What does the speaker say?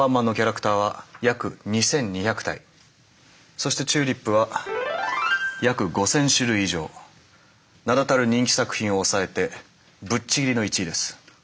そしてチューリップは名だたる人気作品を抑えてぶっちぎりの１位です。